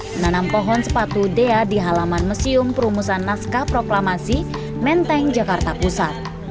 menanam pohon sepatu dea di halaman museum perumusan naskah proklamasi menteng jakarta pusat